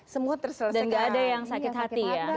semua terselesaikan dan nggak ada yang sakit hati ya